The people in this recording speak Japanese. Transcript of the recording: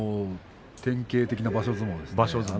典型的な場所相撲ですね。